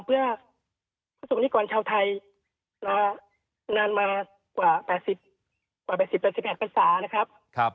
เพื่อประสงค์นิกรชาวไทยมานานมากว่า๘๐๘๘ภาษานะครับ